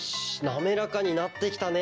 なめらかになってきたね。